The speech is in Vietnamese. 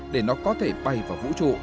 để nó có thể bay vào vũ trụ